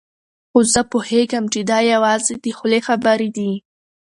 خو زه پوهېږم چې دا یوازې د خولې خبرې دي.